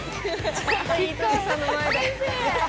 吉川さんの前で。